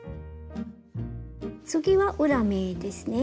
次は裏目ですね。